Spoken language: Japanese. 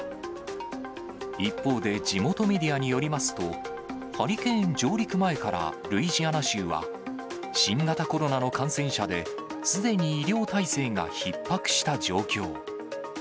一方で地元メディアによりますと、ハリケーン上陸前からルイジアナ州は、新型コロナの感染者で、すでに医療体制がひっ迫した状況。